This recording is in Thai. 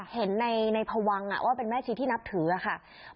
เห็นในพวังว่าเป็นแม่ชีที่นับถือค่ะ